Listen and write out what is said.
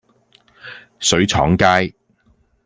水廠街